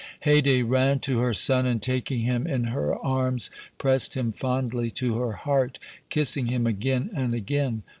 Haydée ran to her son, and, taking him in her arms, pressed him fondly to her heart, kissing him again and again.